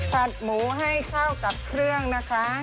หมูให้เข้ากับเครื่องนะคะ